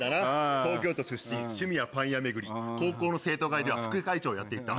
東京都出身、趣味はパン屋巡り、高校の生徒会では副会長をやっていた。